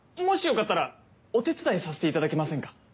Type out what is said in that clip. もしよかったらお手伝いさせていただけませんか？